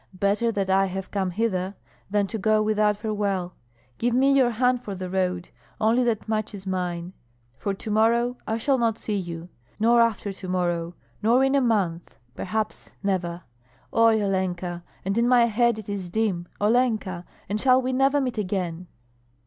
Better that I have come hither, than to go without farewell. Give me your hand for the road. Only that much is mine; for to morrow I shall not see you, nor after tomorrow, nor in a month, perhaps never Oi, Olenka! and in my head it is dim Olenka! And shall we never meet again?"